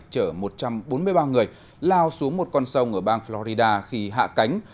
chở một trăm bốn mươi ba người lao xuống một con sông ở bang florida khi hạ cánh